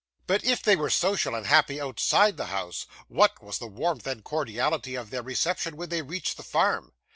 But if they were social and happy outside the house, what was the warmth and cordiality of their reception when they reached the farm!